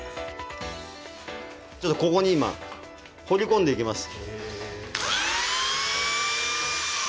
ちょっとここに今彫り込んでいきます。